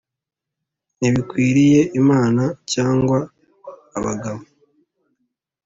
ntibikwiriye imana cyangwa abagabo